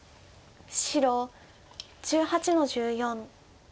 白１８の十四。